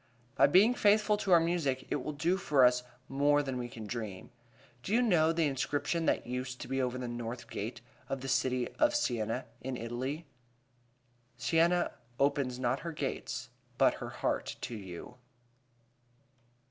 By being faithful to our music it will do for us more than we can dream. Do you know the inscription that used to be over the north gate of the city of Siena, in Italy? "Siena opens not only her gates, but her heart to you."